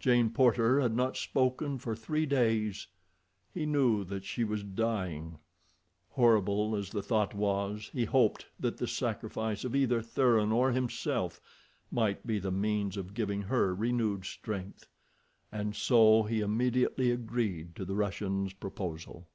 Jane Porter had not spoken for three days. He knew that she was dying. Horrible as the thought was, he hoped that the sacrifice of either Thuran or himself might be the means of giving her renewed strength, and so he immediately agreed to the Russian's proposal.